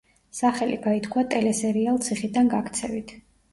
სახელი გაითქვა ტელესერიალ ციხიდან გაქცევით.